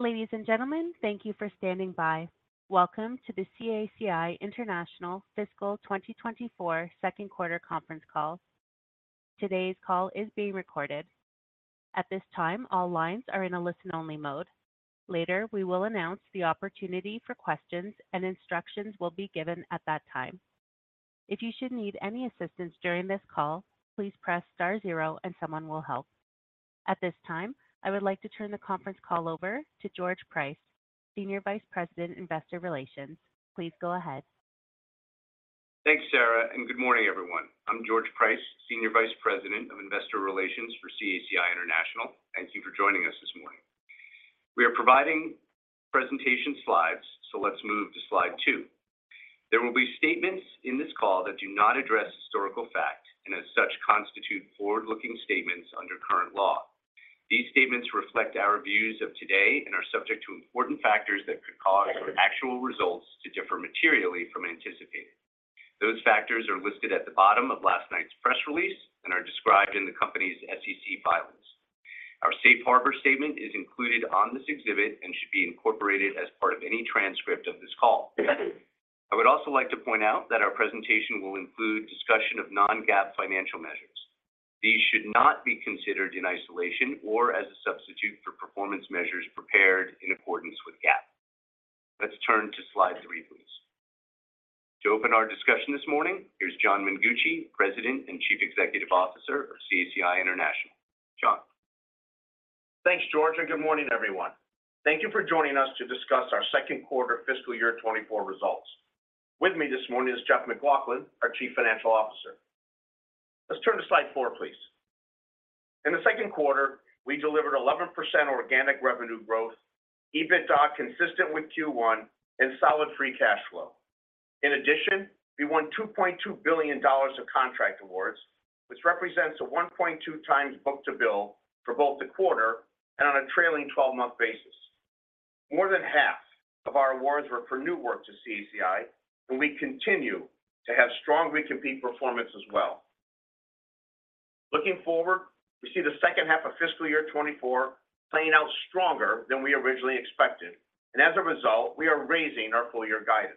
Ladies and gentlemen, thank you for standing by. Welcome to the CACI International Fiscal 2024 Second Quarter Conference Call. Today's call is being recorded. At this time, all lines are in a listen-only mode. Later, we will announce the opportunity for questions, and instructions will be given at that time. If you should need any assistance during this call, please press star zero and someone will help. At this time, I would like to turn the conference call over to George Price, Senior Vice President, Investor Relations. Please go ahead. Thanks, Sarah, and good morning, everyone. I'm George Price, Senior Vice President of Investor Relations for CACI International. Thank you for joining us this morning. We are providing presentation slides, so let's move to slide two. There will be statements in this call that do not address historical fact, and as such, constitute forward-looking statements under current law. These statements reflect our views of today and are subject to important factors that could cause actual results to differ materially from anticipated. Those factors are listed at the bottom of last night's press release and are described in the company's SEC filings. Our Safe Harbor statement is included on this exhibit and should be incorporated as part of any transcript of this call. I would also like to point out that our presentation will include discussion of non-GAAP financial measures. These should not be considered in isolation or as a substitute for performance measures prepared in accordance with GAAP. Let's turn to slide three, please. To open our discussion this morning, here's John Mengucci, President and Chief Executive Officer of CACI International. John? Thanks, George, and good morning, everyone. Thank you for joining us to discuss our second quarter fiscal year 2024 results. With me this morning is Jeff MacLauchlan, our Chief Financial Officer. Let's turn to slide four, please. In the second quarter, we delivered 11% organic revenue growth, EBITDA consistent with Q1, and solid free cash flow. In addition, we won $2.2 billion of contract awards, which represents a 1.2x book-to-bill for both the quarter and on a trailing 12-month basis. More than half of our awards were for new work to CACI, and we continue to have strong recompete performance as well. Looking forward, we see the second half of fiscal year 2024 playing out stronger than we originally expected, and as a result, we are raising our full year guidance.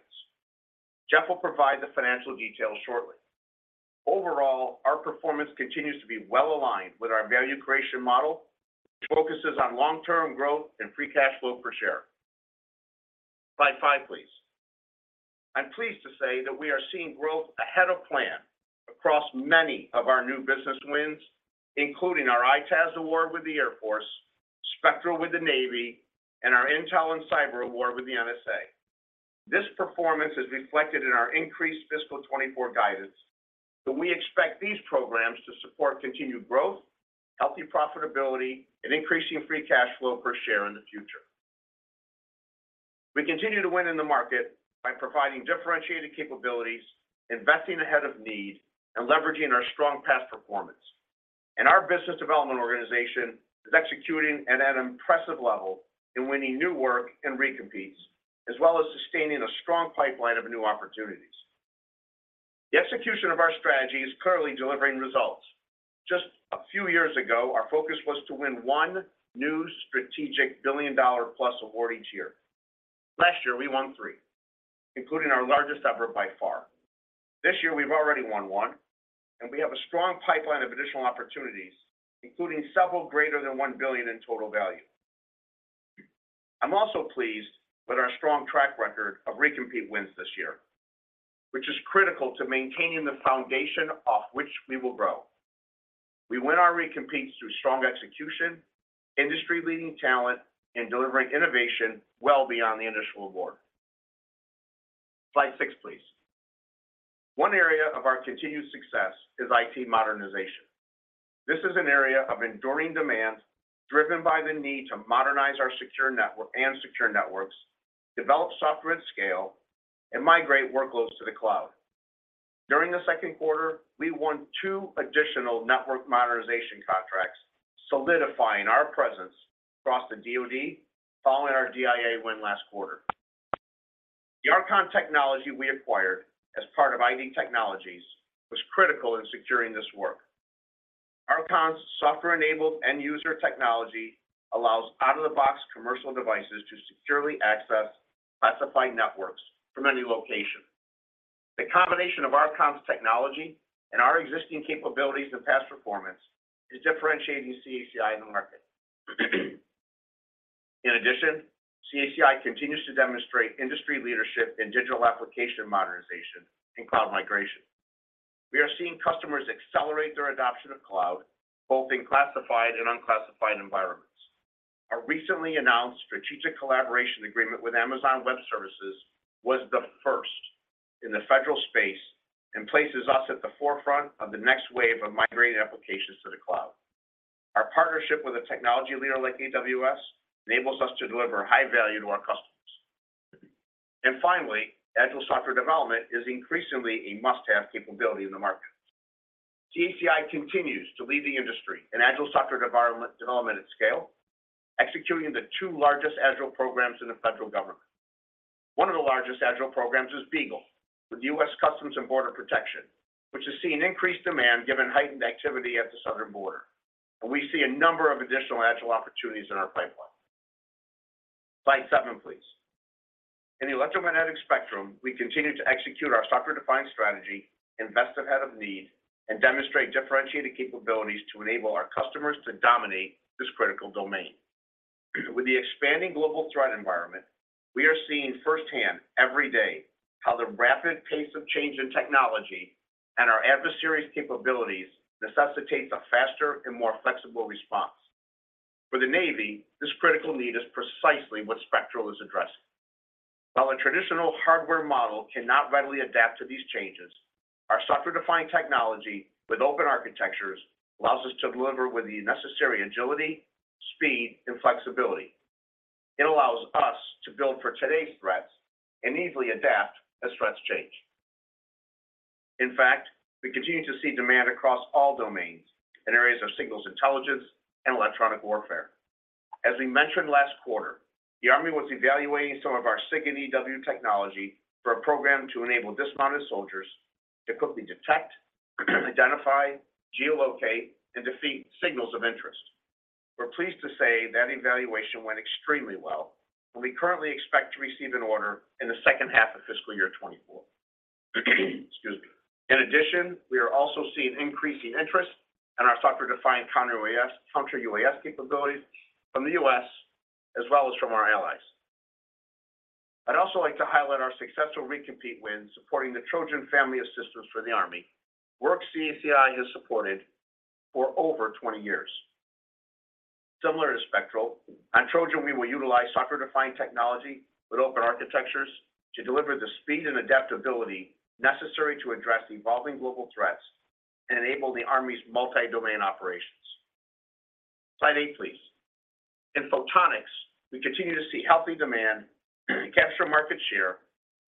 Jeff will provide the financial details shortly. Overall, our performance continues to be well aligned with our value creation model, which focuses on long-term growth and free cash flow per share. Slide five, please. I'm pleased to say that we are seeing growth ahead of plan across many of our new business wins, including our EITaaS award with the Air Force, Spectral with the Navy, and our Intel and Cyber award with the NSA. This performance is reflected in our increased fiscal 2024 guidance, so we expect these programs to support continued growth, healthy profitability, and increasing free cash flow per share in the future. We continue to win in the market by providing differentiated capabilities, investing ahead of need, and leveraging our strong past performance. Our business development organization is executing at an impressive level in winning new work and recompetes, as well as sustaining a strong pipeline of new opportunities. The execution of our strategy is clearly delivering results. Just a few years ago, our focus was to win one new strategic billion-dollar-plus award each year. Last year, we won three, including our largest ever by far. This year, we've already won one, and we have a strong pipeline of additional opportunities, including several greater than $1 billion in total value. I'm also pleased with our strong track record of recompete wins this year, which is critical to maintaining the foundation off which we will grow. We win our recompetes through strong execution, industry-leading talent, and delivering innovation well beyond the initial award. Slide six, please. One area of our continued success is IT modernization. This is an area of enduring demand, driven by the need to modernize our secure network and secure networks, develop software at scale, and migrate workloads to the cloud. During the second quarter, we won two additional network modernization contracts, solidifying our presence across the DoD, following our DIA win last quarter. The Archon technology we acquired as part of ID Technologies was critical in securing this work. Archon's software-enabled end-user technology allows out-of-the-box commercial devices to securely access classified networks from any location. The combination of Archon's technology and our existing capabilities and past performance is differentiating CACI in the market. In addition, CACI continues to demonstrate industry leadership in digital application modernization and cloud migration. We are seeing customers accelerate their adoption of cloud, both in classified and unclassified environments. Our recently announced strategic collaboration agreement with Amazon Web Services was the first in the federal space and places us at the forefront of the next wave of migrating applications to the cloud. Our partnership with a technology leader like AWS enables us to deliver high value to our customers. Finally, agile software development is increasingly a must-have capability in the market. CACI continues to lead the industry in agile software development, development at scale, executing the two largest agile programs in the federal government. One of the largest agile programs is BEAGLE, with U.S. Customs and Border Protection, which has seen increased demand given heightened activity at the Southern Border. We see a number of additional agile opportunities in our pipeline. Slide seven, please. In the electromagnetic spectrum, we continue to execute our software-defined strategy, invest ahead of need, and demonstrate differentiated capabilities to enable our customers to dominate this critical domain. With the expanding global threat environment, we are seeing firsthand, every day, how the rapid pace of change in technology and our adversaries' capabilities necessitates a faster and more flexible response. For the Navy, this critical need is precisely what Spectral is addressing. While a traditional hardware model cannot readily adapt to these changes, our software-defined technology with open architectures allows us to deliver with the necessary agility, speed, and flexibility. It allows us to build for today's threats and easily adapt as threats change. In fact, we continue to see demand across all domains in areas of signals intelligence and electronic warfare. As we mentioned last quarter, the Army was evaluating some of our SIG and EW technology for a program to enable dismounted soldiers to quickly detect, identify, geolocate, and defeat signals of interest. We're pleased to say that evaluation went extremely well, and we currently expect to receive an order in the second half of fiscal year 2024. Excuse me. In addition, we are also seeing increasing interest in our software-defined counter-UAS capabilities from the U.S. as well as from our allies. I'd also like to highlight our successful recompete win, supporting the Trojan Family of Systems for the Army, work CACI has supported for over 20 years. Similar to Spectral, on Trojan, we will utilize software-defined technology with open architectures to deliver the speed and adaptability necessary to address evolving global threats and enable the Army's multi-domain operations. Slide eight, please. In Photonics, we continue to see healthy demand, capture market share,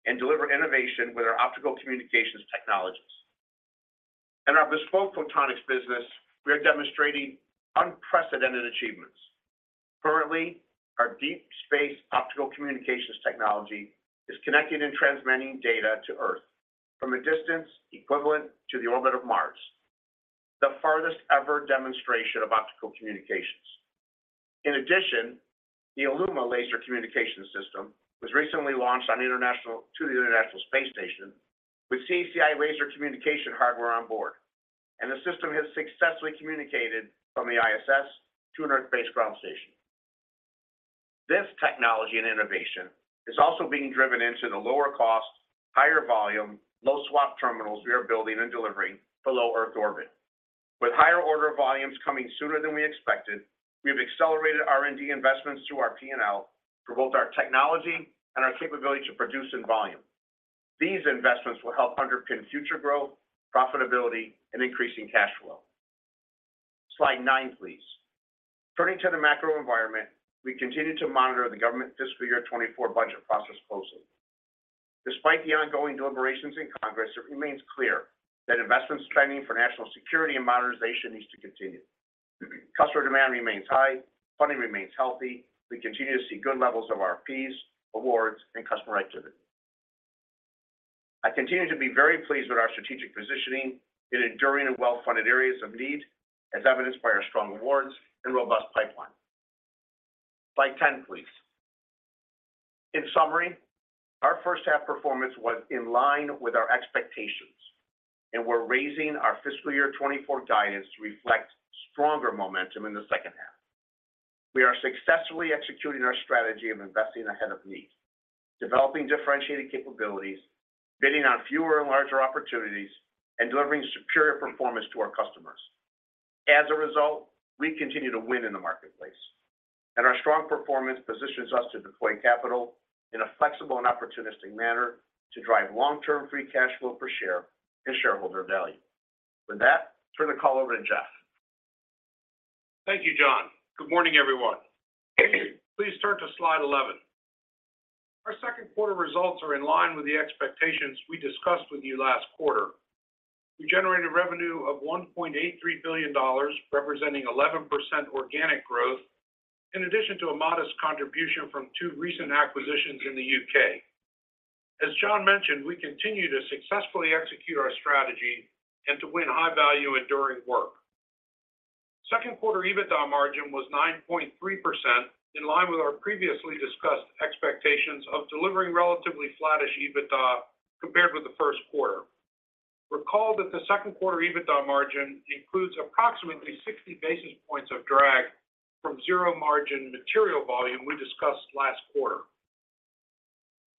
and deliver innovation with our optical communications technologies. In our bespoke Photonics business, we are demonstrating unprecedented achievements. Currently, our deep space optical communications technology is connecting and transmitting data to Earth from a distance equivalent to the orbit of Mars, the farthest ever demonstration of optical communications. In addition, the ILLUMA laser communication system was recently launched to the International Space Station with CACI laser communication hardware on board, and the system has successfully communicated from the ISS to an Earth-based ground station. This technology and innovation is also being driven into the lower cost, higher volume, low-SWaP terminals we are building and delivering for low-Earth orbit. With higher order volumes coming sooner than we expected, we have accelerated R&D investments through our P&L for both our technology and our capability to produce in volume. These investments will help underpin future growth, profitability, and increasing cash flow. Slide nine, please. Turning to the macro environment, we continue to monitor the government fiscal year 2024 budget process closely. Despite the ongoing deliberations in Congress, it remains clear that investment spending for national security and modernization needs to continue. Customer demand remains high, funding remains healthy, we continue to see good levels of RFPs, awards, and customer activity. I continue to be very pleased with our strategic positioning in enduring and well-funded areas of need, as evidenced by our strong awards and robust pipeline. Slide 10, please. In summary, our first half performance was in line with our expectations, and we're raising our fiscal year 2024 guidance to reflect stronger momentum in the second half. We are successfully executing our strategy of investing ahead of need, developing differentiated capabilities, bidding on fewer and larger opportunities, and delivering superior performance to our customers. As a result, we continue to win in the marketplace, and our strong performance positions us to deploy capital in a flexible and opportunistic manner to drive long-term free cash flow per share and shareholder value. With that, turn the call over to Jeff. Thank you, John. Good morning, everyone. Please turn to slide 11. Our second quarter results are in line with the expectations we discussed with you last quarter. We generated revenue of $1.83 billion, representing 11% organic growth, in addition to a modest contribution from two recent acquisitions in the U.K. As John mentioned, we continue to successfully execute our strategy and to win high-value, enduring work. Second quarter EBITDA margin was 9.3%, in line with our previously discussed expectations of delivering relatively flattish EBITDA compared with the first quarter. Recall that the second quarter EBITDA margin includes approximately 60 basis points of drag from zero margin material volume we discussed last quarter.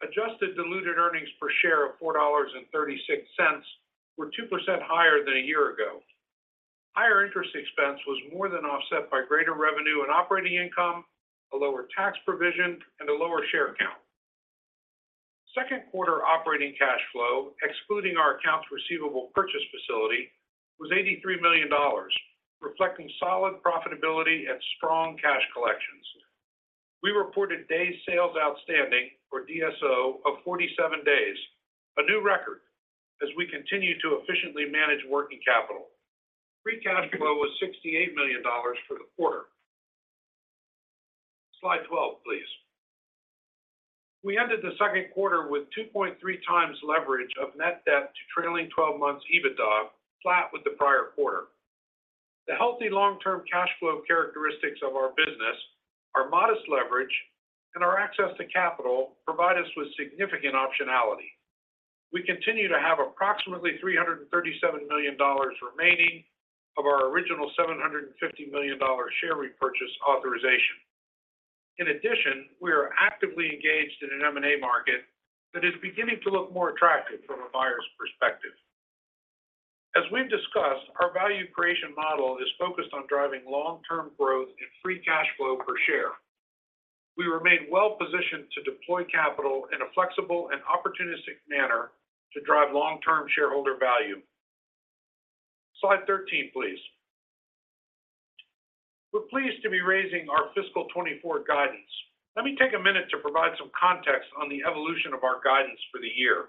Adjusted diluted earnings per share of $4.36 were 2% higher than a year ago. Higher interest expense was more than offset by greater revenue and operating income, a lower tax provision, and a lower share count. Second quarter operating cash flow, excluding our accounts receivable purchase facility, was $83 million, reflecting solid profitability and strong cash collections. We reported days sales outstanding, or DSO, of 47 days, a new record, as we continue to efficiently manage working capital. Free cash flow was $68 million for the quarter. Slide 12, please. We ended the second quarter with 2.3x leverage of net debt to trailing 12 months EBITDA, flat with the prior quarter. The healthy long-term cash flow characteristics of our business, our modest leverage, and our access to capital provide us with significant optionality. We continue to have approximately $337 million remaining of our original $750 million share repurchase authorization. In addition, we are actively engaged in an M&A market that is beginning to look more attractive from a buyer's perspective. As we've discussed, our value creation model is focused on driving long-term growth in free cash flow per share. We remain well-positioned to deploy capital in a flexible and opportunistic manner to drive long-term shareholder value. Slide 13, please. We're pleased to be raising our fiscal 2024 guidance. Let me take a minute to provide some context on the evolution of our guidance for the year.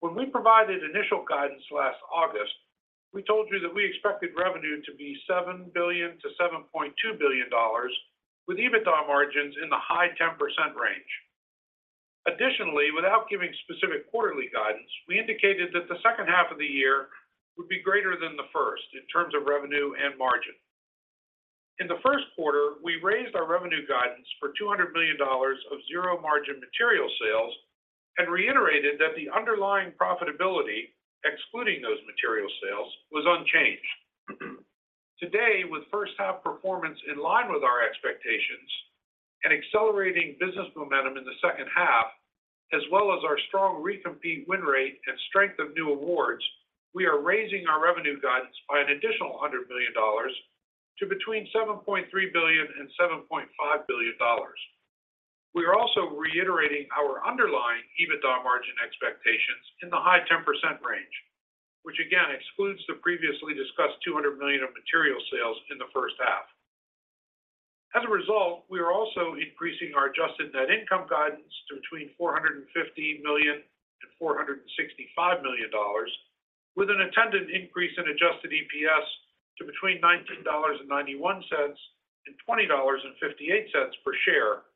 When we provided initial guidance last August, we told you that we expected revenue to be $7 billion-$7.2 billion, with EBITDA margins in the high 10% range. Additionally, without giving specific quarterly guidance, we indicated that the second half of the year would be greater than the first in terms of revenue and margin. In the first quarter, we raised our revenue guidance for $200 million of zero-margin material sales and reiterated that the underlying profitability, excluding those material sales, was unchanged. Today, with first-half performance in line with our expectations and accelerating business momentum in the second half, as well as our strong recompete win rate and strength of new awards, we are raising our revenue guidance by an additional $100 million to between $7.3 billion and $7.5 billion. We are also reiterating our underlying EBITDA margin expectations in the high 10% range, which again excludes the previously discussed $200 million of material sales in the first half. As a result, we are also increasing our adjusted net income guidance to between $450 million and $465 million, with an attendant increase in adjusted EPS to between $19.91 and $20.58 per share,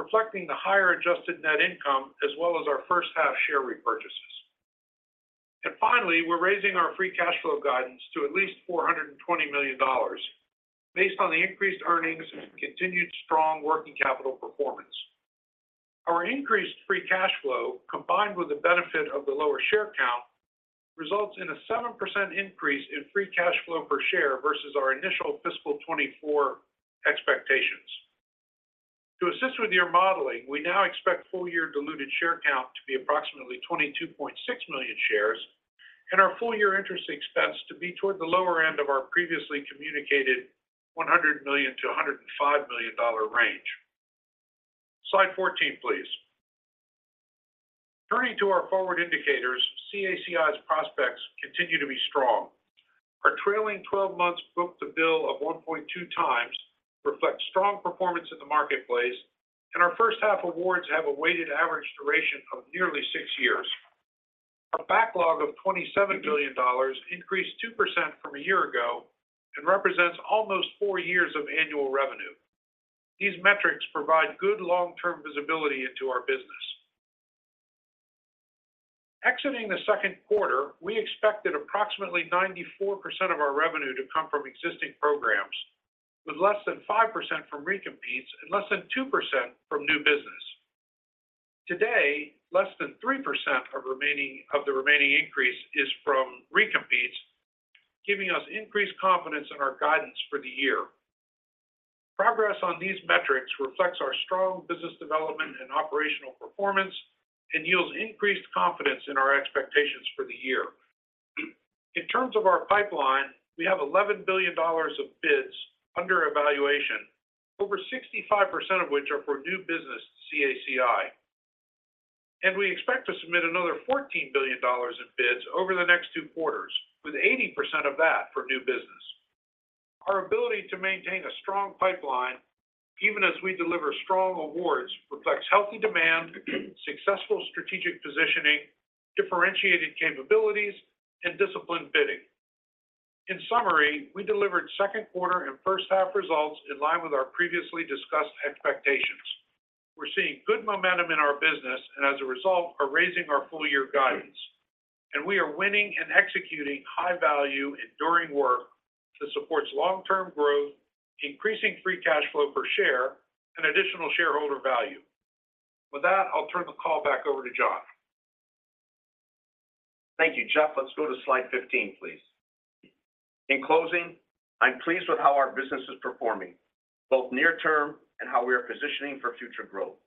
reflecting the higher adjusted net income, as well as our first-half share repurchases. And finally, we're raising our free cash flow guidance to at least $420 million based on the increased earnings and continued strong working capital performance. Our increased free cash flow, combined with the benefit of the lower share count, results in a 7% increase in free cash flow per share versus our initial fiscal 2024 expectations. To assist with your modeling, we now expect full-year diluted share count to be approximately 22.6 million shares, and our full-year interest expense to be toward the lower end of our previously communicated $100 million-$105 million range. Slide 14, please. Turning to our forward indicators, CACI's prospects continue to be strong. Our trailing 12 months book-to-bill of 1.2x reflects strong performance in the marketplace, and our first-half awards have a weighted average duration of nearly six years. Our backlog of $27 billion increased 2% from a year ago and represents almost four years of annual revenue. These metrics provide good long-term visibility into our business. Exiting the second quarter, we expected approximately 94% of our revenue to come from existing programs, with less than 5% from recompetes and less than 2% from new business. Today, less than 3% of remaining, of the remaining increase is from recompetes, giving us increased confidence in our guidance for the year. Progress on these metrics reflects our strong business development and operational performance and yields increased confidence in our expectations for the year. In terms of our pipeline, we have $11 billion of bids under evaluation, over 65% of which are for new business CACI. We expect to submit another $14 billion in bids over the next two quarters, with 80% of that for new business. Our ability to maintain a strong pipeline, even as we deliver strong awards, reflects healthy demand, successful strategic positioning, differentiated capabilities, and disciplined bidding. In summary, we delivered second quarter and first half results in line with our previously discussed expectations. We're seeing good momentum in our business and as a result, are raising our full-year guidance. We are winning and executing high value, enduring work that supports long-term growth, increasing free cash flow per share, and additional shareholder value. With that, I'll turn the call back over to John. Thank you, Jeff. Let's go to slide 15, please. In closing, I'm pleased with how our business is performing, both near term and how we are positioning for future growth.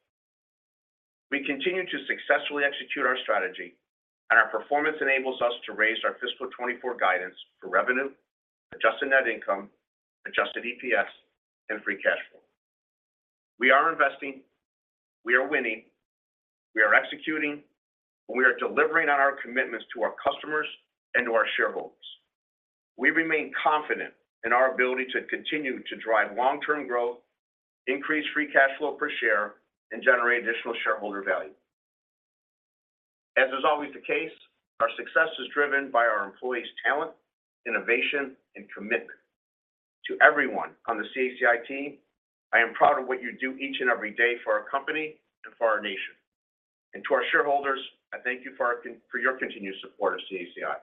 We continue to successfully execute our strategy, and our performance enables us to raise our fiscal 2024 guidance for revenue, adjusted net income, adjusted EPS, and free cash flow. We are investing, we are winning, we are executing, and we are delivering on our commitments to our customers and to our shareholders. We remain confident in our ability to continue to drive long-term growth, increase free cash flow per share, and generate additional shareholder value.... As is always the case, our success is driven by our employees' talent, innovation, and commitment. To everyone on the CACI team, I am proud of what you do each and every day for our company and for our nation. To our shareholders, I thank you for our, for your continued support of CACI.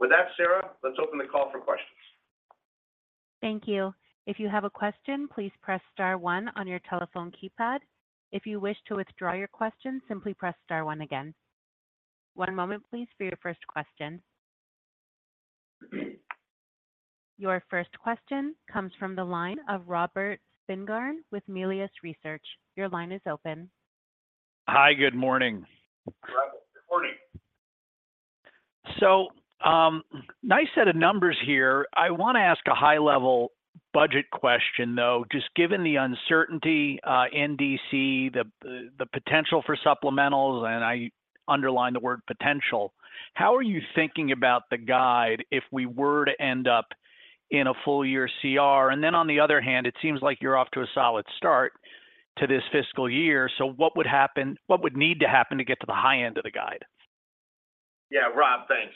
With that, Sarah, let's open the call for questions. Thank you. If you have a question, please press star one on your telephone keypad. If you wish to withdraw your question, simply press star one again. One moment, please, for your first question. Your first question comes from the line of Robert Spingarn with Melius Research. Your line is open. Hi, good morning. Hi, good morning. So, nice set of numbers here. I want to ask a high-level budget question, though. Just given the uncertainty in D.C., the potential for supplementals, and I underline the word potential, how are you thinking about the guide if we were to end up in a full-year CR? And then on the other hand, it seems like you're off to a solid start to this fiscal year. So what would happen—what would need to happen to get to the high end of the guide? Yeah, Rob, thanks.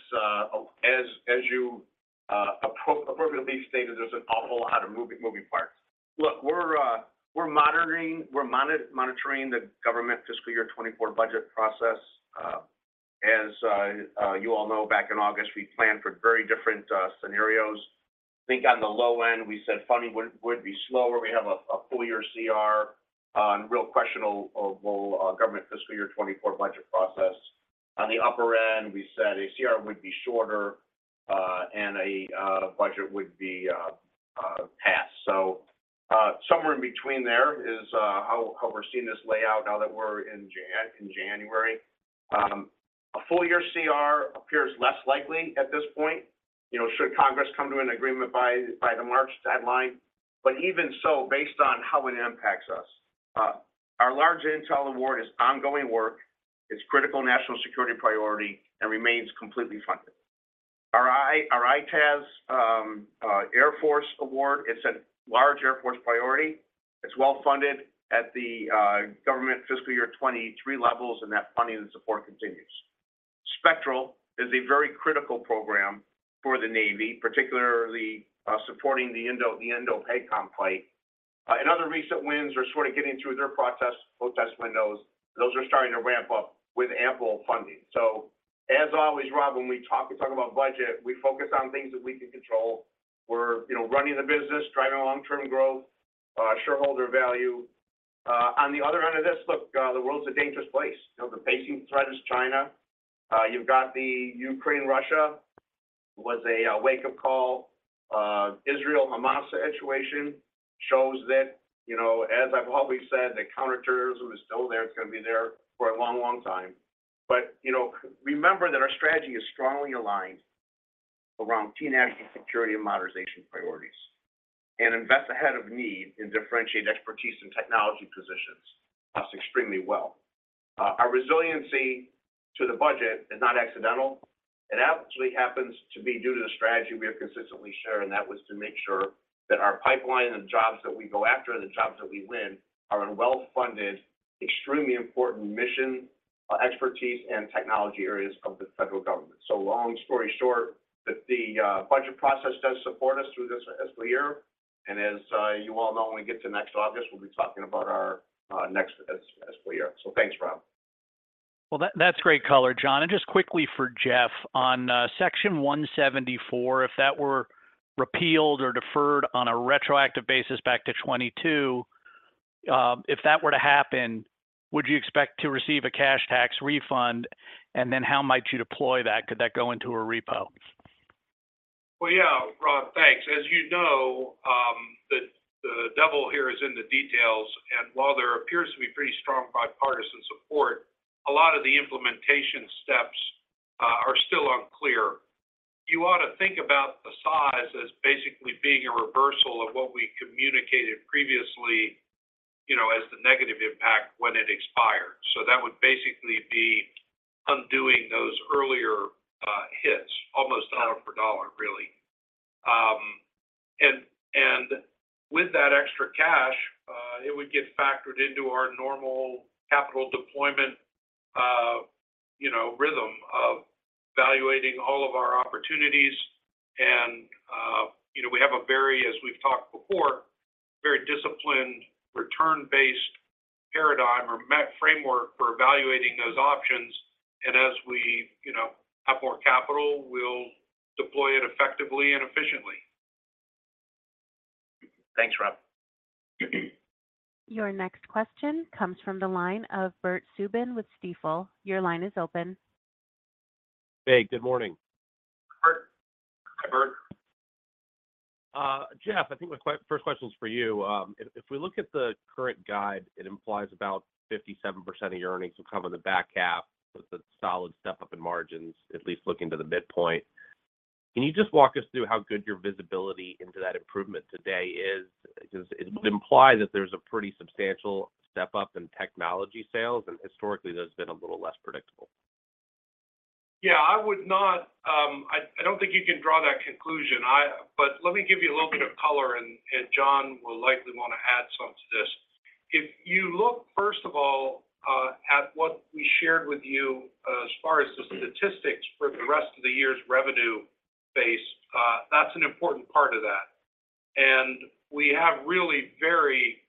As you appropriately stated, there's an awful lot of moving parts. Look, we're monitoring the government fiscal year 2024 budget process. As you all know, back in August, we planned for very different scenarios. I think on the low end, we said funding would be slower. We have a full year CR, and really questionable of government fiscal year 2024 budget process. On the upper end, we said a CR would be shorter, and a budget would be passed. So, somewhere in between there is how we're seeing this lay out now that we're in January. A full year CR appears less likely at this point, you know, should Congress come to an agreement by the March deadline. But even so, based on how it impacts us, our large intel award is ongoing work. It's critical national security priority and remains completely funded. Our EITaaS Air Force award, it's a large Air Force priority. It's well-funded at the government fiscal year 2023 levels, and that funding and support continues. Spectral is a very critical program for the Navy, particularly supporting the INDOPACOM fight. And other recent wins are sort of getting through their protest windows. Those are starting to ramp up with ample funding. So as always, Rob, when we talk, we talk about budget, we focus on things that we can control. We're, you know, running the business, driving long-term growth, shareholder value. On the other end of this, look, the world's a dangerous place. You know, the pacing threat is China. You've got the Ukraine, Russia was a wake-up call. Israel, Hamas situation shows that, you know, as I've always said, that counterterrorism is still there. It's going to be there for a long, long time. You know, remember that our strategy is strongly aligned around key national security and modernization priorities, and invest ahead of need in differentiated expertise and technology positions us extremely well. Our resiliency to the budget is not accidental. It absolutely happens to be due to the strategy we have consistently shared, and that was to make sure that our pipeline and jobs that we go after, the jobs that we win, are in well-funded, extremely important mission, expertise, and technology areas of the federal government. So long story short, the budget process does support us through this fiscal year, and as you all know, when we get to next August, we'll be talking about our next fiscal year. So thanks, Rob. Well, that, that's great color, John. And just quickly for Jeff, on, Section 174, if that were repealed or deferred on a retroactive basis back to 2022, if that were to happen, would you expect to receive a cash tax refund? And then how might you deploy that? Could that go into a repo? Well, yeah, Rob, thanks. As you know, the devil here is in the details, and while there appears to be pretty strong bipartisan support, a lot of the implementation steps are still unclear. You ought to think about the size as basically being a reversal of what we communicated previously, you know, as the negative impact when it expired. So that would basically be undoing those earlier hits, almost dollar for dollar, really. And with that extra cash, it would get factored into our normal capital deployment, you know, rhythm of evaluating all of our opportunities. And you know, we have a very, as we've talked before, very disciplined, return-based paradigm or mechanism framework for evaluating those options. And as we, you know, have more capital, we'll deploy it effectively and efficiently. Thanks, Rob. Your next question comes from the line of Bert Subin with Stifel. Your line is open. Hey, good morning. Bert. Hi, Bert. Jeff, I think my first question is for you. If we look at the current guide, it implies about 57% of earnings will come in the back half with a solid step up in margins, at least looking to the midpoint. Can you just walk us through how good your visibility into that improvement today is? Because it would imply that there's a pretty substantial step up in technology sales, and historically, that's been a little less predictable. ... Yeah, I would not. I don't think you can draw that conclusion. But let me give you a little bit of color, and John will likely want to add something to this. If you look, first of all, at what we shared with you as far as the statistics for the rest of the year's revenue base, that's an important part of that. We have really very,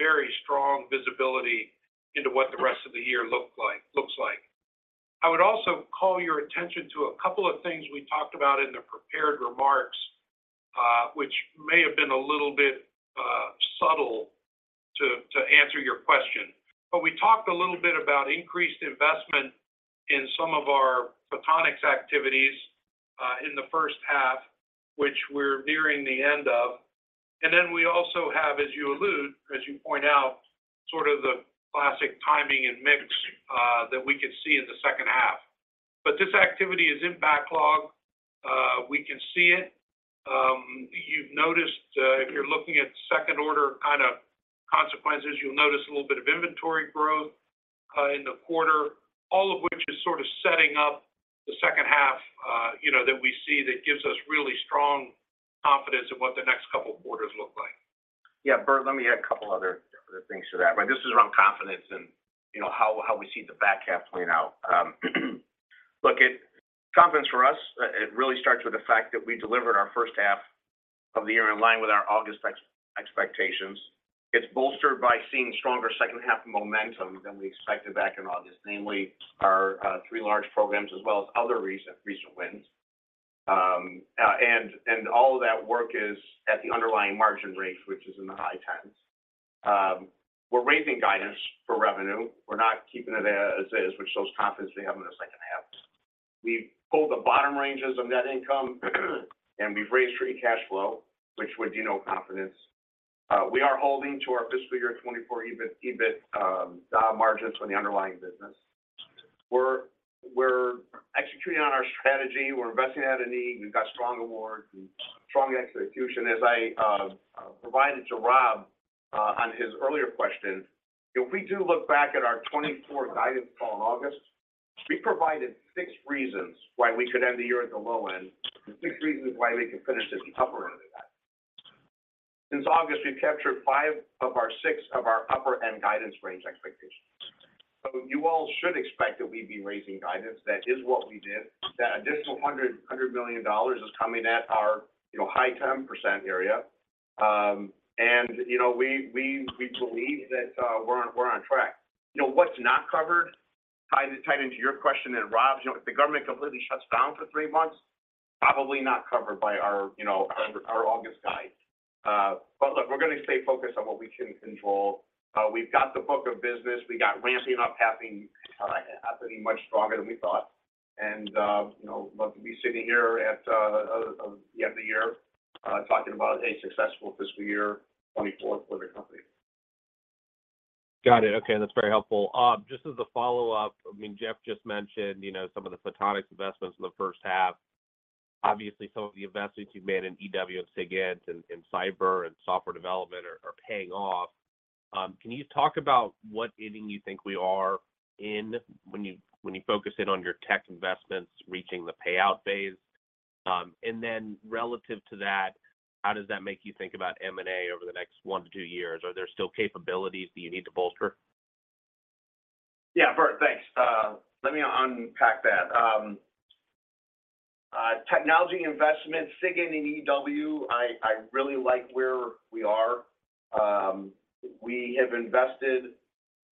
very strong visibility into what the rest of the year look like, looks like. I would also call your attention to a couple of things we talked about in the prepared remarks, which may have been a little bit subtle to answer your question. But we talked a little bit about increased investment in some of our photonics activities in the first half, which we're nearing the end of. And then we also have, as you allude, as you point out, sort of the classic timing and mix that we could see in the second half. But this activity is in backlog. We can see it. You've noticed, if you're looking at second order kind of consequences, you'll notice a little bit of inventory growth in the quarter. All of which is sort of setting up the second half, you know, that we see that gives us really strong confidence in what the next couple of quarters look like. Yeah, Bert, let me add a couple other things to that. Right, this is around confidence and you know, how we see the back half playing out. Look, confidence for us, it really starts with the fact that we delivered our first half of the year in line with our August expectations. It's bolstered by seeing stronger second half momentum than we expected back in August, namely our three large programs, as well as other recent wins. And all of that work is at the underlying margin rate, which is in the high tens. We're raising guidance for revenue. We're not keeping it as is, which shows confidence we have in the second half. We've pulled the bottom ranges of net income, and we've raised free cash flow, which would, you know, confidence. We are holding to our fiscal year 2024 EBIT, EBIT, margins on the underlying business. We're, we're executing on our strategy. We're investing at a need. We've got strong awards and strong execution. As I provided to Rob on his earlier question, if we do look back at our 2024 guidance call in August, we provided six reasons why we could end the year at the low end, and six reasons why we could finish this upper end of that. Since August, we've captured five of our six of our upper-end guidance range expectations. So you all should expect that we'd be raising guidance. That is what we did. That additional hundred million dollars is coming at our, you know, high 10% area. And, you know, we, we, we believe that, we're on, we're on track. You know, what's not covered, tied into your question and Rob's, you know, if the government completely shuts down for three months, probably not covered by our, you know, our August guide. But look, we're going to stay focused on what we can control. We've got the book of business. We got ramping up happening much stronger than we thought. And, you know, look, we'll be sitting here at the end of the year, talking about a successful fiscal year 2024 for the company. Got it. Okay, that's very helpful. Just as a follow-up, I mean, Jeff just mentioned, you know, some of the photonics investments in the first half. Obviously, some of the investments you've made in EW and SIGINT and cyber and software development are paying off. Can you talk about what inning you think we are in when you focus in on your tech investments, reaching the payout phase? And then relative to that, how does that make you think about M&A over the next 1-2 years? Are there still capabilities that you need to bolster? Yeah, Bert, thanks. Let me unpack that. Technology investment, SIGINT and EW, I really like where we are. We have invested,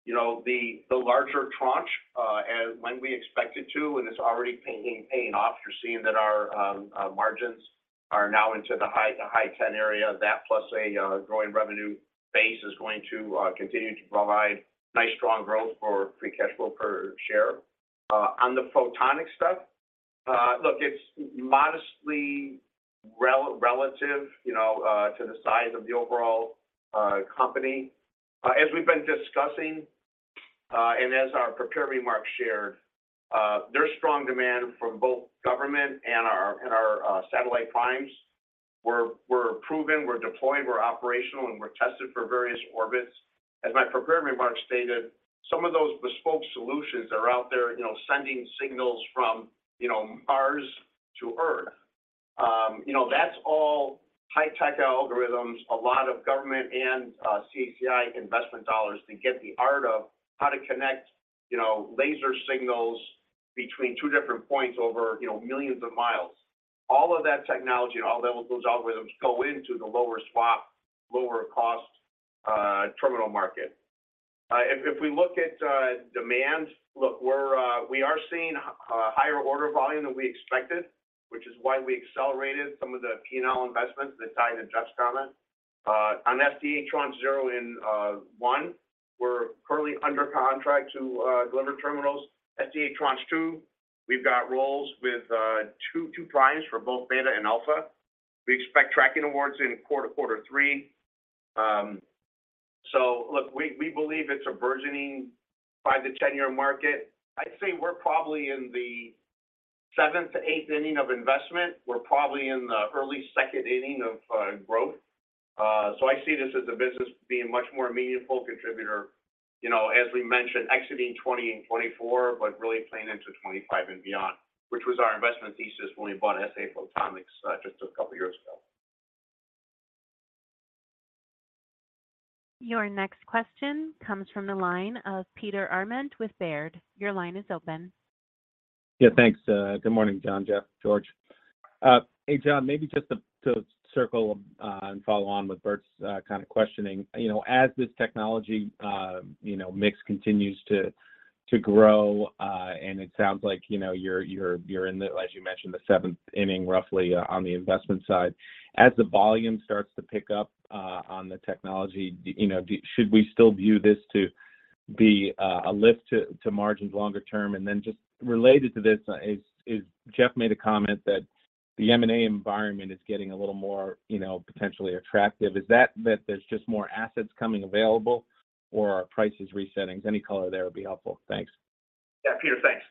you know, the larger tranche as when we expected to, and it's already paying off. You're seeing that our margins are now into the high ten area. That plus a growing revenue base is going to continue to provide nice, strong growth for free cash flow per share. On the photonics stuff, look, it's modestly relative, you know, to the size of the overall company. As we've been discussing, and as our prepared remarks shared, there's strong demand from both government and our satellite primes. We're proven, we're deployed, we're operational, and we're tested for various orbits. As my prepared remarks stated, some of those bespoke solutions are out there, you know, sending signals from, you know, Mars to Earth. You know, that's all high-tech algorithms, a lot of government and CACI investment dollars to get the art of how to connect, you know, laser signals between two different points over, you know, millions of miles. All of that technology and all level, those algorithms go into the lower SWaP, lower cost terminal market. If, if we look at demand, look, we're, we are seeing a higher order volume than we expected, which is why we accelerated some of the P&L investments that tied into Jeff's comment. On SDA Tranche 0 and 1, we're currently under contract to deliver terminals. SDA Tranche 2, we've got roles with two, two primes for both Beta and Alpha. We expect tracking awards in quarter three. So look, we believe it's a burgeoning 5- to 10-year market. I'd say we're probably in the seventh to eighth inning of investment. We're probably in the early second inning of growth. So I see this as a business being a much more meaningful contributor, you know, as we mentioned, exiting 2020 and 2024, but really playing into 2025 and beyond, which was our investment thesis when we bought SA Photonics just a couple of years ago. Your next question comes from the line of Peter Arment with Baird. Your line is open. Yeah, thanks. Good morning, John, Jeff, George. Hey, John, maybe just to circle and follow on with Bert's kind of questioning. You know, as this technology, you know, mix continues to grow, and it sounds like, you know, you're in the, as you mentioned, the seventh inning, roughly, on the investment side. As the volume starts to pick up on the technology, you know, should we still view this to be a lift to margins longer term? And then just related to this is, Jeff made a comment that the M&A environment is getting a little more, you know, potentially attractive. Is that there's just more assets coming available, or are prices resetting? Any color there would be helpful. Thanks. Yeah, Peter, thanks.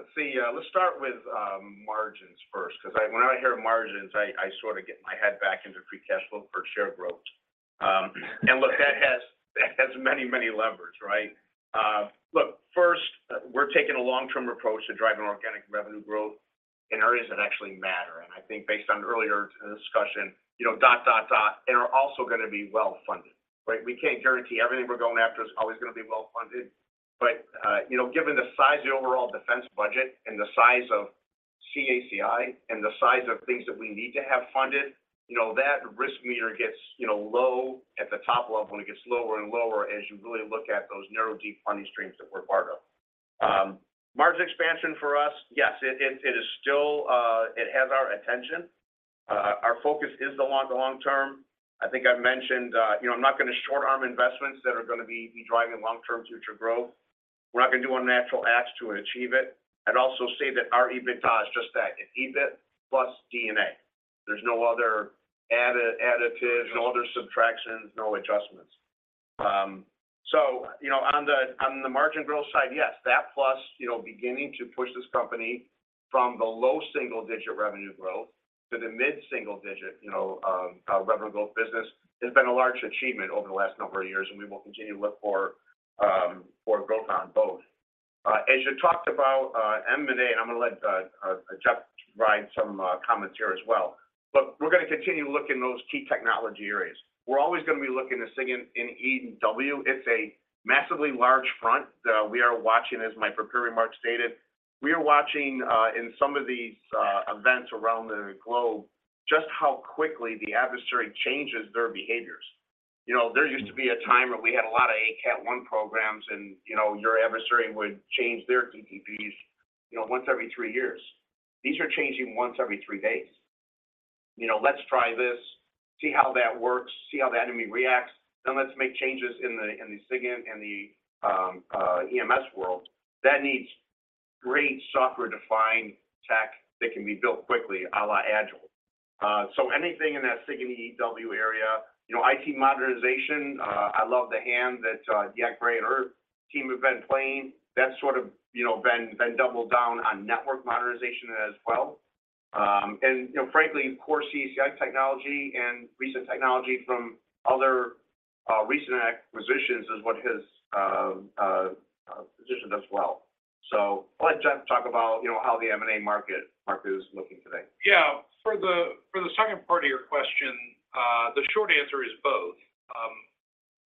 Let's see, let's start with margins first, because when I hear margins, I sort of get my head back into free cash flow per share growth. And look, that has many, many levers, right? Look, first, we're taking a long-term approach to driving organic revenue growth in areas that actually matter. And I think based on earlier discussion, you know, dot, dot, dot, and are also going to be well-funded, right? We can't guarantee everything we're going after is always going to be well-funded. But, you know, given the size of the overall defense budget and the size of CACI and the size of things that we need to have funded, you know, that risk meter gets, you know, low at the top level, and it gets lower and lower as you really look at those narrow, deep funding streams that we're part of. Margin expansion for us, yes, it is still, it has our attention. Our focus is the long-term. I think I've mentioned, you know, I'm not going to short-arm investments that are going to be driving long-term future growth. We're not going to do unnatural acts to achieve it. I'd also say that our EBITDA is just that, it's EBIT plus DA. There's no other added additives, no other subtractions, no adjustments. So, you know, on the margin growth side, yes, that plus, you know, beginning to push this company from the low single-digit revenue growth to the mid-single digit, you know, revenue growth business, has been a large achievement over the last number of years, and we will continue to look for growth on both. As you talked about, M&A, I'm going to let Jeff provide some comments here as well, but we're going to continue looking in those key technology areas. We're always going to be looking to SIGINT in EW. It's a massively large front. We are watching, as my prepared remarks stated, we are watching in some of these events around the globe, just how quickly the adversary changes their behaviors. You know, there used to be a time where we had a lot of ACAT I programs and, you know, your adversary would change their TTPs, you know, once every three years. These are changing once every three days. You know, let's try this, see how that works, see how the enemy reacts, then let's make changes in the SIGINT and the EMS world. That needs great software-defined tech that can be built quickly, à la agile. So anything in that SIGINT EW area, you know, IT modernization, I love the hand that DeEtte Gray and her team have been playing. That's sort of, you know, been doubled down on network modernization as well. And, you know, frankly, of course, CACI technology and recent technology from other recent acquisitions is what has positioned us well. I'll let Jeff talk about, you know, how the M&A market is looking today. Yeah. For the second part of your question, the short answer is both.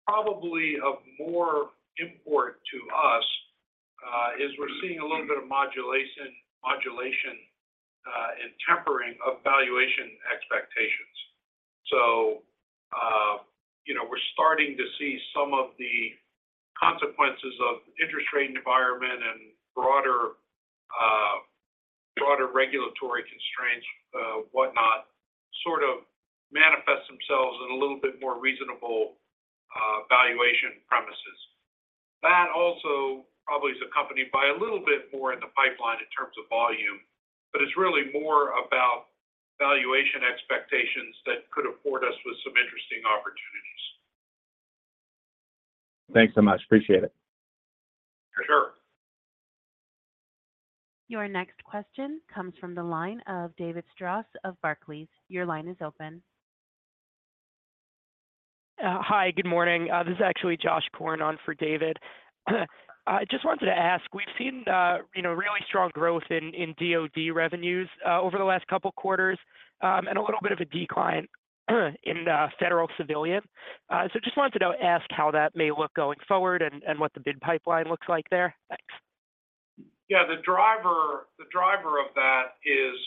Probably of more import to us is we're seeing a little bit of modulation and tempering of valuation expectations. So, you know, we're starting to see some of the consequences of interest rate environment and broader regulatory constraints, whatnot, sort of manifest themselves in a little bit more reasonable valuation premises. That also probably is accompanied by a little bit more in the pipeline in terms of volume, but it's really more about valuation expectations that could afford us with some interesting opportunities. Thanks so much. Appreciate it. Sure. Your next question comes from the line of David Strauss of Barclays. Your line is open. Hi, good morning. This is actually Josh Korn on for David. I just wanted to ask, we've seen, you know, really strong growth in, in DoD revenues, over the last couple of quarters, and a little bit of a decline, in the federal civilian. So just wanted to know, ask how that may look going forward and, and what the bid pipeline looks like there. Thanks. Yeah, the driver, the driver of that is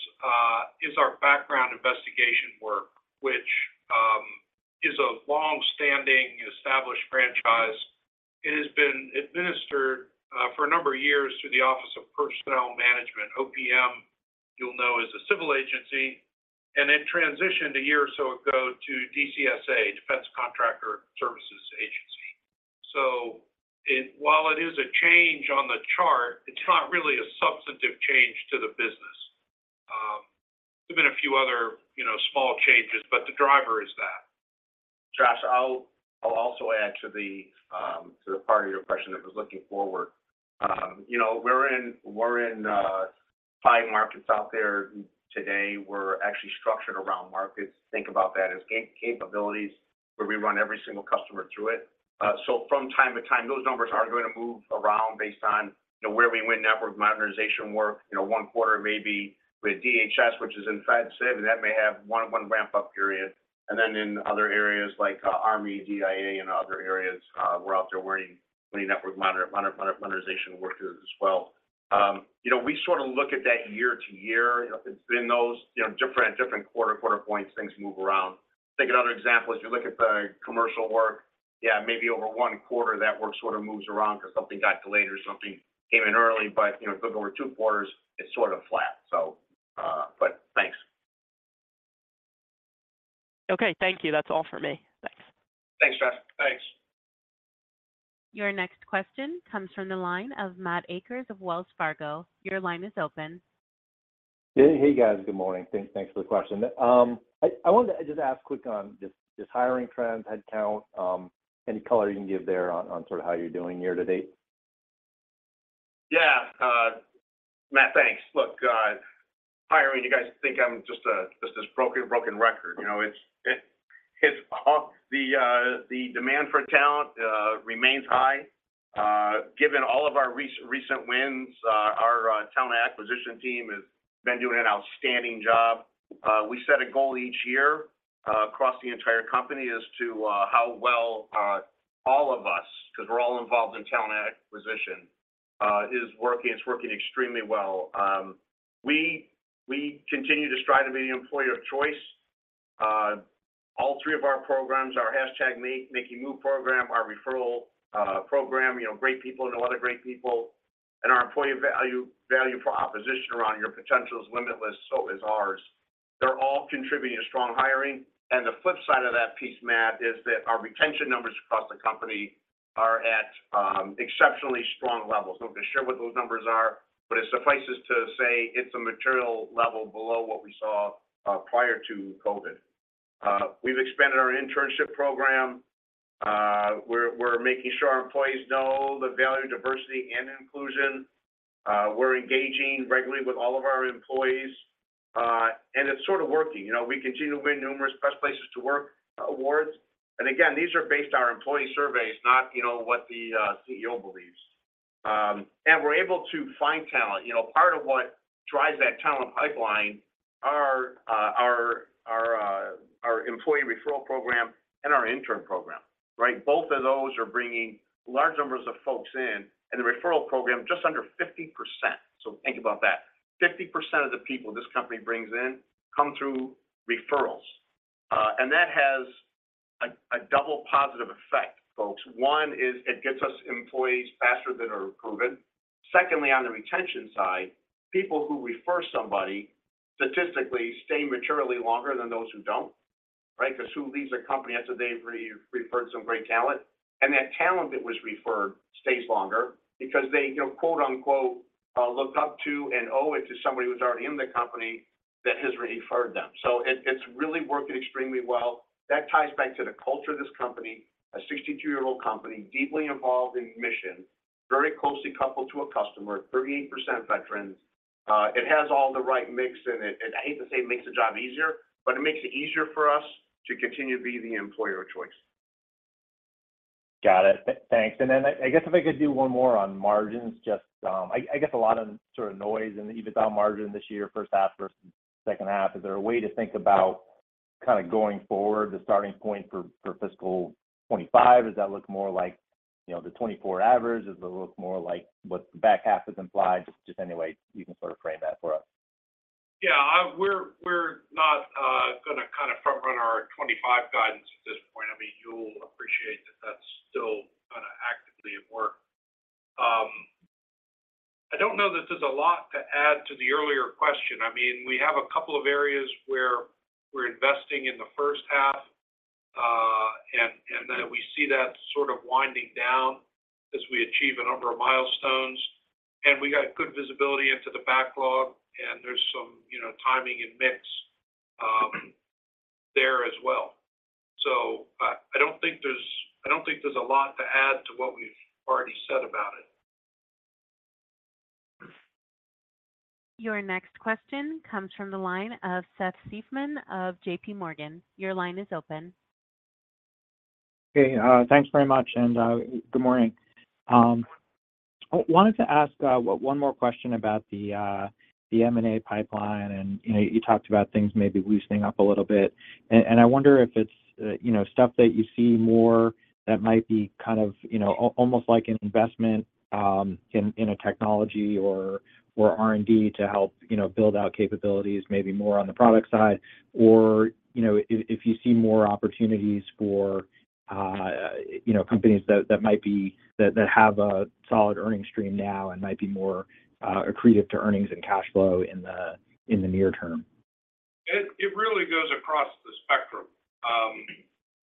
our background investigation work, which is a long-standing, established franchise. It has been administered for a number of years through the Office of Personnel Management. OPM, you'll know, is a civil agency, and it transitioned a year or so ago to DCSA, Defense Counterintelligence and Security Agency. So while it is a change on the chart, it's not really a substantive change to the business. There's been a few other, you know, small changes, but the driver is that.... Josh, I'll also add to the part of your question that was looking forward. You know, we're in five markets out there today. We're actually structured around markets. Think about that as capabilities, where we run every single customer through it. So from time to time, those numbers are going to move around based on, you know, where we win network modernization work. You know, one quarter may be with DHS, which is in Fed Civ, and that may have one ramp-up period. And then in other areas like Army, DIA, and other areas, we're out there winning network modernization work as well. You know, we sort of look at that year to year. If it's been those, you know, different quarter points, things move around. Take another example, as you look at the commercial work, yeah, maybe over one quarter, that work sort of moves around because something got delayed or something came in early. But, you know, if you look over two quarters, it's sort of flat. So, but thanks. Okay, thank you. That's all for me. Thanks. Thanks, Josh. Thanks. Your next question comes from the line of Matt Akers of Wells Fargo. Your line is open. Hey, hey, guys. Good morning. Thanks, thanks for the question. I wanted to just ask quick on just hiring trends, headcount, any color you can give there on sort of how you're doing year to date? Yeah, Matt, thanks. Look, hiring, you guys think I'm just this broken record. You know, it's the demand for talent remains high. Given all of our recent wins, our talent acquisition team has been doing an outstanding job. We set a goal each year across the entire company as to how well all of us, because we're all involved in talent acquisition, is working. It's working extremely well. We continue to strive to be the employer of choice. All three of our programs, our hashtag Make Your Move program, our referral program, you know, great people know other great people, and our employee value proposition around your potential is limitless, so is ours. They're all contributing to strong hiring. The flip side of that piece, Matt, is that our retention numbers across the company are at exceptionally strong levels. Don't share what those numbers are, but it suffices to say it's a material level below what we saw prior to COVID. We've expanded our internship program. We're making sure our employees know the value of diversity and inclusion. We're engaging regularly with all of our employees, and it's sort of working. You know, we continue to win numerous Best Places to Work awards. And again, these are based on our employee surveys, not, you know, what the CEO believes. And we're able to find talent. You know, part of what drives that talent pipeline are our employee referral program and our intern program, right? Both of those are bringing large numbers of folks in, and the referral program, just under 50%. So think about that. 50% of the people this company brings in come through referrals, and that has a double positive effect, folks. One is it gets us employees faster that are proven. Secondly, on the retention side, people who refer somebody statistically stay materially longer than those who don't, right? Because who leaves a company after they've referred some great talent? And that talent that was referred stays longer because they, you know, quote-unquote, "look up to and owe it to somebody who's already in the company that has referred them." So it's really working extremely well. That ties back to the culture of this company, a 62-year-old company, deeply involved in mission, very closely coupled to a customer, 38% veterans. It has all the right mix, and it, and I hate to say it makes the job easier, but it makes it easier for us to continue to be the employer of choice. Got it. Thanks. And then I guess if I could do one more on margins, just I guess a lot of sort of noise in the EBITDA margin this year, first half versus second half. Is there a way to think about kind of going forward, the starting point for fiscal 2025? Does that look more like, you know, the 2024 average? Does it look more like what the back half has implied? Just any way you can sort of frame that for us. Yeah, we're not gonna kind of front run our 25 guidance at this point. I mean, you'll appreciate that that's still kinda actively at work. I don't know that there's a lot to add to the earlier question. I mean, we have a couple of areas where we're investing in the first half, and then we see that sort of winding down as we achieve a number of milestones, and we got good visibility into the backlog, and there's some, you know, timing and mix, there as well. So I don't think there's a lot to add to what we've already said about it. Your next question comes from the line of Seth Seifman of JPMorgan. Your line is open. Hey, thanks very much, and good morning. I wanted to ask one more question about the M&A pipeline, and you know, you talked about things maybe loosening up a little bit. And I wonder if it's you know, stuff that you see more that might be kind of you know, almost like an investment in a technology or R&D to help you know, build out capabilities, maybe more on the product side, or you know, if you see more opportunities for you know, companies that might be that have a solid earning stream now and might be more accretive to earnings and cash flow in the near term. It really goes across the spectrum.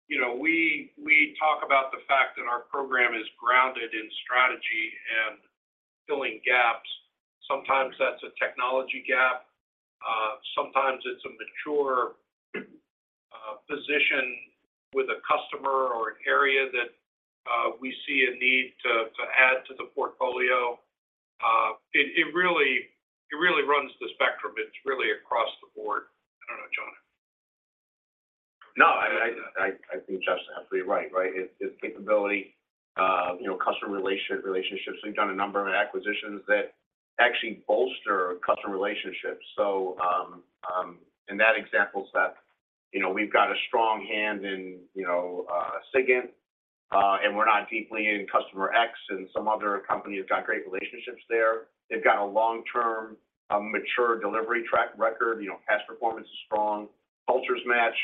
You know, we talk about the fact that our program is grounded in strategy and filling gaps. Sometimes that's a technology gap.... sometimes it's a mature position with a customer or an area that we see a need to add to the portfolio. It really runs the spectrum. It's really across the board. I don't know, John. No, I think Jeff's absolutely right, right? It's capability, you know, customer relationship, relationships. We've done a number of acquisitions that actually bolster customer relationships. So, in that example set, you know, we've got a strong hand in, you know, SIGINT, and we're not deeply in customer X, and some other company has got great relationships there. They've got a long-term, a mature delivery track record, you know, past performance is strong, cultures match,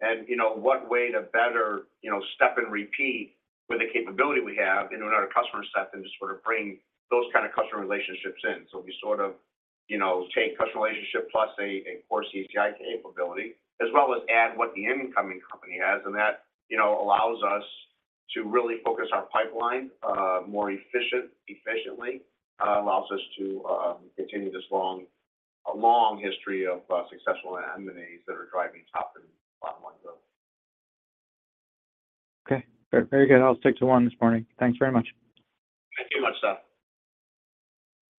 and you know, what way to better, you know, step and repeat with the capability we have into another customer set and just sort of bring those kind of customer relationships in. So we sort of, you know, take customer relationship plus a core CACI capability, as well as add what the incoming company has, and that, you know, allows us to really focus our pipeline more efficiently. Allows us to continue this long history of successful M&As that are driving top and bottom line growth. Okay. Very, very good. I'll stick to one this morning. Thanks very much. Thank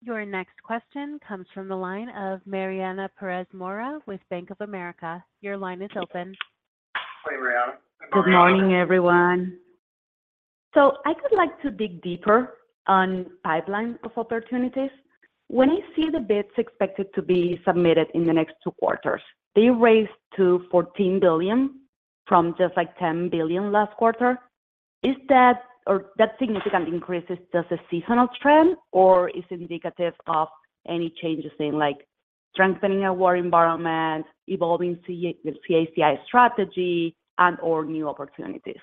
you much, sir. Your next question comes from the line of Mariana Pérez Mora with Bank of America. Your line is open. Hey, Mariana. Good morning, everyone. So I would like to dig deeper on pipeline of opportunities. When I see the bids expected to be submitted in the next two quarters, they raised to $14 billion from just like $10 billion last quarter. Is that or that significant increase, is just a seasonal trend, or is it indicative of any changes in, like, strengthening our environment, evolving CACI strategy, and/or new opportunities?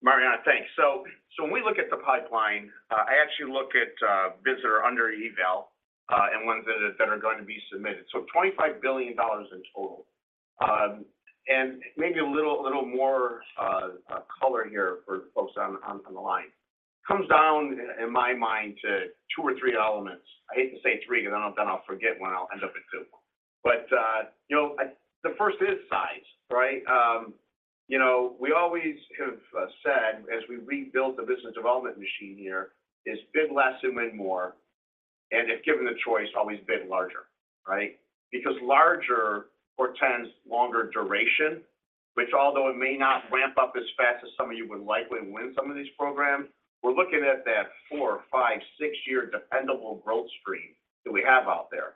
Mariana, thanks. So when we look at the pipeline, I actually look at bids that are under eval and ones that are going to be submitted. So $25 billion in total. And maybe a little more color here for folks on the line. Comes down in my mind to two or three elements. I hate to say three, because then I'll forget one, I'll end up at two. But you know, the first is size, right? You know, we always have said, as we rebuild the business development machine here, is bid less, submit more, and if given the choice, always bid larger, right? Because larger portends longer duration, which although it may not ramp up as fast as some of you would likely win some of these programs, we're looking at that four, five, six-year dependable growth stream that we have out there.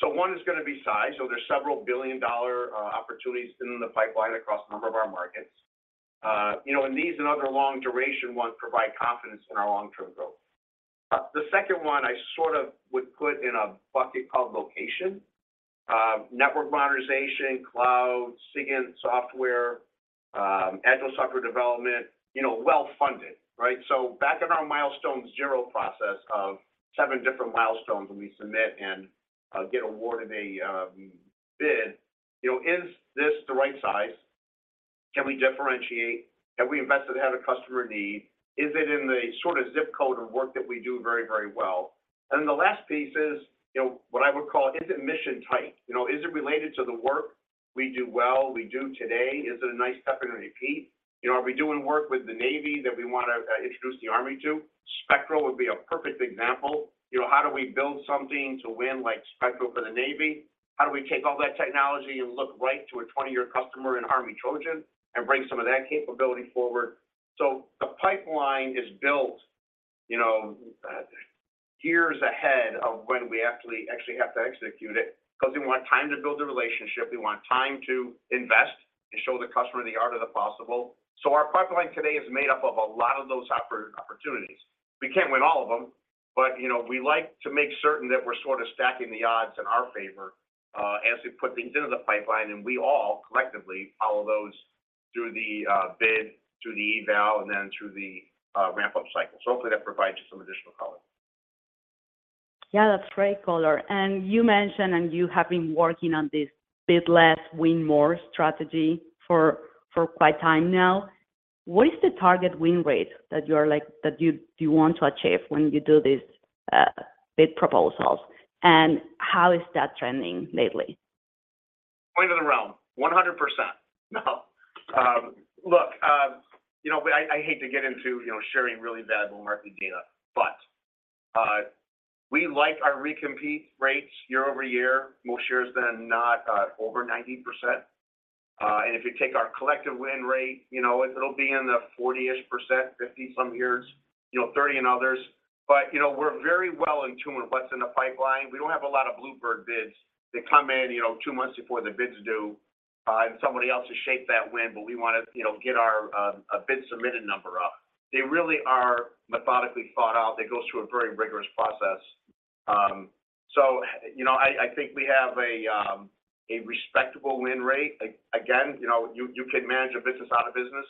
So one is gonna be size. So there's several billion-dollar opportunities in the pipeline across a number of our markets. You know, and these and other long duration ones provide confidence in our long-term growth. The second one I sort of would put in a bucket called location. Network modernization, cloud, SIGINT, software, agile software development, you know, well funded, right? So back in our milestone zero process of seven different milestones, when we submit and get awarded a bid, you know, is this the right size? Can we differentiate? Have we invested ahead of customer need? Is it in the sort of zip code of work that we do very, very well? And the last piece is, you know, what I would call, is it mission type? You know, is it related to the work we do well, we do today? Is it a nice step in and repeat? You know, are we doing work with the Navy that we want to introduce the Army to? Spectral would be a perfect example. You know, how do we build something to win, like Spectral for the Navy? How do we take all that technology and look right to a 20-year customer in Army Trojan and bring some of that capability forward? So the pipeline is built, you know, years ahead of when we actually have to execute it, because we want time to build the relationship, we want time to invest and show the customer the art of the possible. So our pipeline today is made up of a lot of those opportunities. We can't win all of them, but you know, we like to make certain that we're sort of stacking the odds in our favor, as we put things into the pipeline, and we all collectively follow those through the bid, through the eval, and then through the ramp-up cycle. So hopefully that provides you some additional color. Yeah, that's great color. And you mentioned you have been working on this bid less, win more strategy for quite some time now. What is the target win rate that you want to achieve when you do these bid proposals, and how is that trending lately? Right in the realm, 100%. No. Look, you know, but I, I hate to get into, you know, sharing really valuable market data, but, we like our recompete rates year over year, more shares than not, over 90%. And if you take our collective win rate, you know, it'll be in the 40-ish%, 50 some years, you know, 30% in others. But, you know, we're very well in tune with what's in the pipeline. We don't have a lot of bluebird bids that come in, you know, two months before the bids are due, and somebody else has shaped that win, but we want to, you know, get our, a bid submitted number up. They really are methodically thought out. It goes through a very rigorous process. So, you know, I, I think we have a respectable win rate. Again, you know, you, you can manage a business out of business,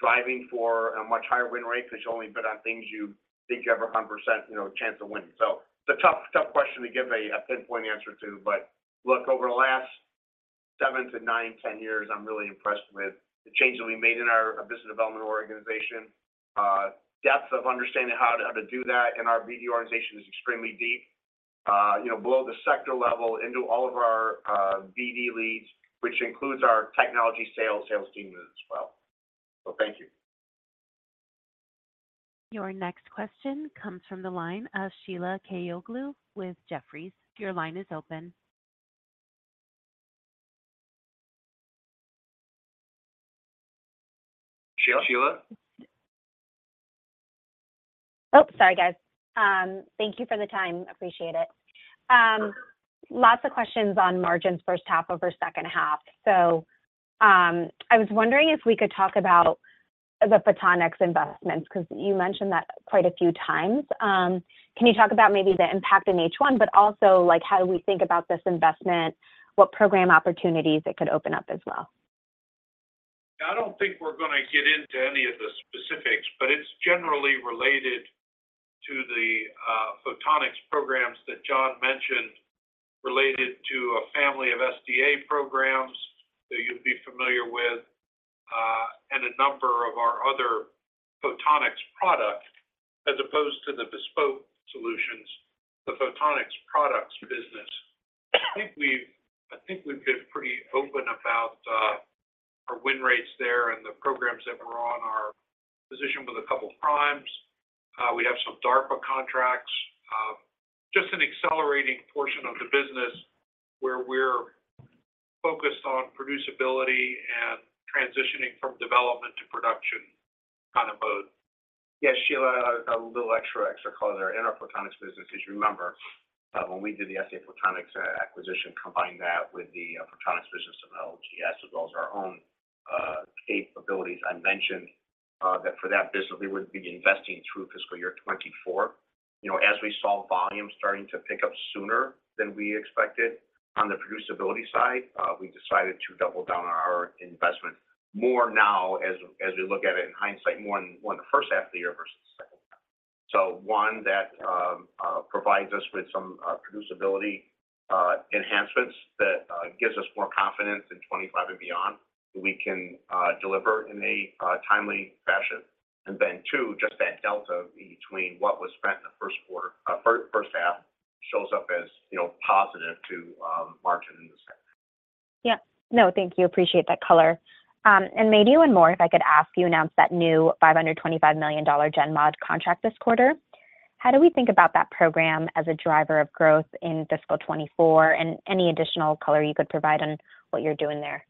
driving for a much higher win rate, because you only bid on things you think you have a 100% chance of winning. So it's a tough, tough question to give a pinpoint answer to, but look, over the last seven to nine, 10 years, I'm really impressed with the change that we made in our business development organization. Depth of understanding how to do that in our BD organization is extremely deep, you know, below the sector level into all of our BD leads, which includes our technology sales team as well. So thank you. Your next question comes from the line of Sheila Kahyaoglu with Jefferies. Your line is open. Sheila, Sheila? Oh, sorry, guys. Thank you for the time, appreciate it. Lots of questions on margins first half over second half. I was wondering if we could talk about the Photonics investments, because you mentioned that quite a few times. Can you talk about maybe the impact in H1, but also, like, how do we think about this investment? What program opportunities it could open up as well? I don't think we're gonna get into any of the specifics, but it's generally related to the Photonics programs that John mentioned, related to a family of SDA programs that you'd be familiar with, and a number of our other Photonics products, as opposed to the bespoke solutions, the Photonics products business. I think we've, I think we've been pretty open about our win rates there and the programs that were on our position with a couple primes. We have some DARPA contracts, just an accelerating portion of the business where we're focused on producibility and transitioning from development to production kind of mode. Yeah, Sheila, a little extra color in our Photonics business, as you remember, when we did the SA Photonics acquisition, combined that with the Photonics business of LGS, as well as our own capabilities. I mentioned that for that business, we would be investing through fiscal year 2024. You know, as we saw volume starting to pick up sooner than we expected on the producibility side, we decided to double down on our investment more now, as we look at it in hindsight, more in the first half of the year versus the second half. So one, that provides us with some producibility enhancements that gives us more confidence in 2025 and beyond, we can deliver in a timely fashion. And then two, just that delta between what was spent in the first quarter, first half shows up as, you know, positive to margin in the second. Yeah. No, thank you. Appreciate that color. And maybe one more, if I could ask. You announced that new $525 million GENMOD contract this quarter. How do we think about that program as a driver of growth in fiscal 2024, and any additional color you could provide on what you're doing there?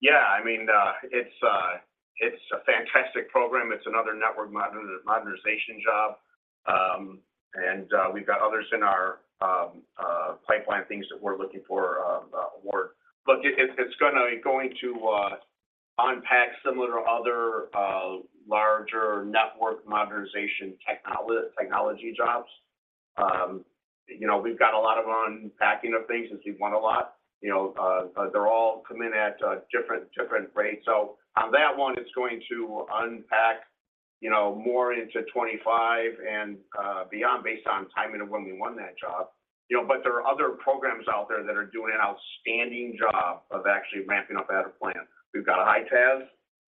Yeah, I mean, it's a fantastic program. It's another network modernization job. And we've got others in our pipeline, things that we're looking for award. Look, it's gonna be going to unpack similar other larger network modernization technology jobs. You know, we've got a lot of unpacking of things, since we've won a lot. You know, they're all coming at different rates. So on that one, it's going to unpack, you know, more into 25 and beyond, based on timing of when we won that job. You know, but there are other programs out there that are doing an outstanding job of actually ramping up ahead of plan. We've got EITaaS,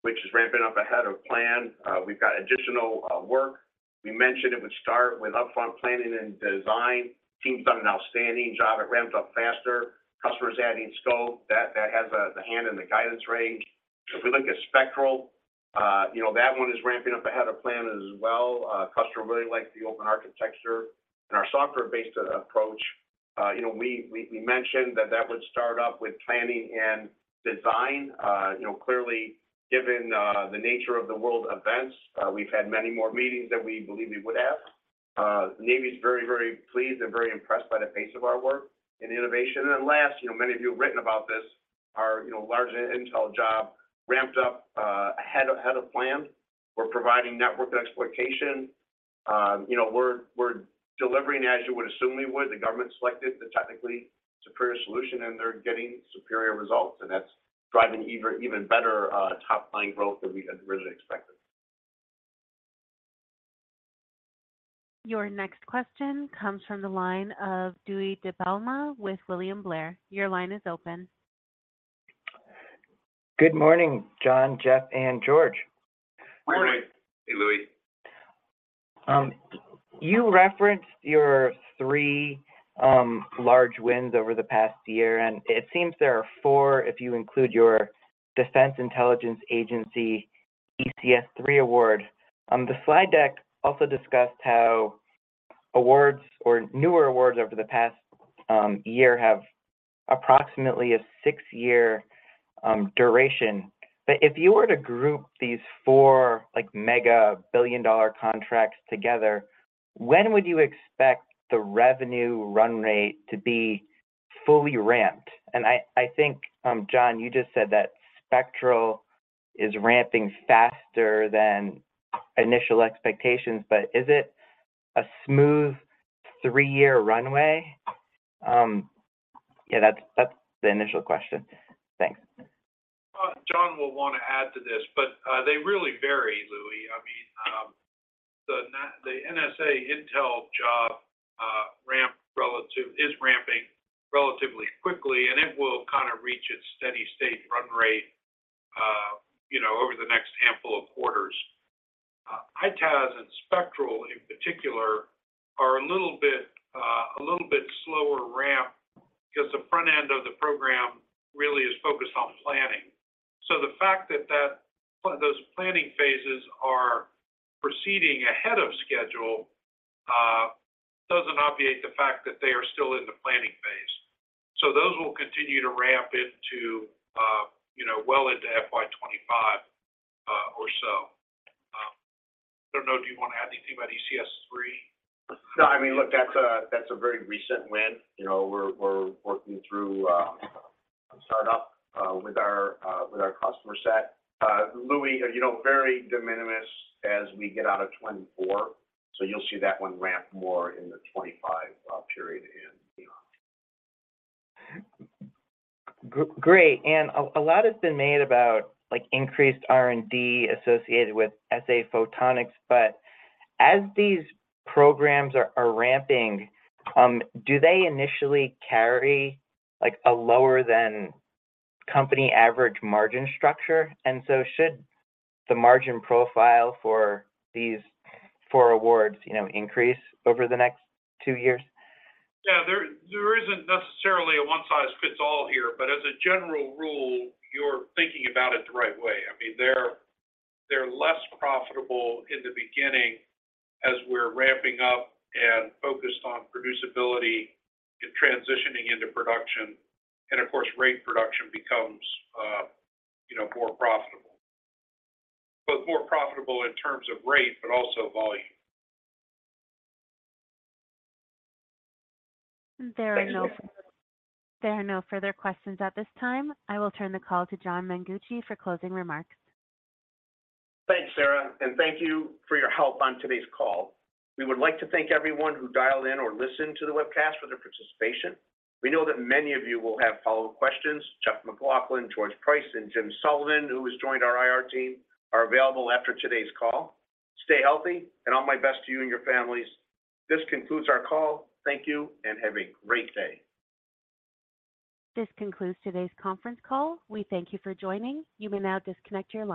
which is ramping up ahead of plan. We've got additional work. We mentioned it would start with upfront planning and design. Team's done an outstanding job. It ramps up faster, customers adding scope, that has a hand in the guidance range. If we look at Spectral, you know, that one is ramping up ahead of plan as well. Customer really likes the open architecture and our software-based approach. You know, we mentioned that that would start up with planning and design. You know, clearly, given the nature of the world events, we've had many more meetings than we believe we would have. Navy's very, very pleased and very impressed by the pace of our work and innovation. And then last, you know, many of you have written about this, our large intel job ramped up ahead of plan. We're providing network exploitation. You know, we're delivering as you would assume we would. The government selected the technically superior solution, and they're getting superior results, and that's driving even better top-line growth than we had originally expected. Your next question comes from the line of Louie DiPalma with William Blair. Your line is open. Good morning, John, Jeff, and George. Morning. Hey, Louie. You referenced your three large wins over the past year, and it seems there are four, if you include your Defense Intelligence Agency ECS3 award. The slide deck also discussed how awards or newer awards over the past year have approximately a six-year duration. But if you were to group these four, like, mega billion-dollar contracts together, when would you expect the revenue run rate to be fully ramped? And I think, John, you just said that Spectral is ramping faster than initial expectations, but is it a smooth three-year runway? Yeah, that's the initial question. Thanks. John will want to add to this, but they really vary, Louie.... the NSA intel job, ramp relative is ramping relatively quickly, and it will kind of reach its steady state run rate, you know, over the next handful of quarters. EITaaS and Spectral, in particular, are a little bit, a little bit slower ramp because the front end of the program really is focused on planning. So the fact that, that those planning phases are proceeding ahead of schedule, doesn't obviate the fact that they are still in the planning phase. So those will continue to ramp into, you know, well into FY 2025, or so. I don't know, do you want to add anything about ECS3? No, I mean, look, that's a, that's a very recent win. You know, we're, we're working through startup with our, with our customer set. Louis, you know, very de minimis as we get out of 2024, so you'll see that one ramp more in the 2025 period and beyond. Great. And a lot has been made about, like, increased R&D associated with SA Photonics, but as these programs are ramping, do they initially carry, like, a lower than company average margin structure? And so should the margin profile for these four awards, you know, increase over the next two years? Yeah, there isn't necessarily a one size fits all here, but as a general rule, you're thinking about it the right way. I mean, they're less profitable in the beginning as we're ramping up and focused on producibility and transitioning into production. And of course, rate production becomes, you know, more profitable. Both more profitable in terms of rate, but also volume. There are no further questions at this time. I will turn the call to John Mengucci for closing remarks. Thanks, Sarah, and thank you for your help on today's call. We would like to thank everyone who dialed in or listened to the webcast for their participation. We know that many of you will have follow-up questions. Jeff MacLauchlan, George Price, and Jim Sullivan, who has joined our IR team, are available after today's call. Stay healthy, and all my best to you and your families. This concludes our call. Thank you, and have a great day. This concludes today's conference call. We thank you for joining. You may now disconnect your line.